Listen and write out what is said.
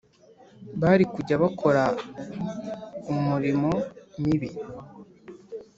bari kujya bakora umurimo mibi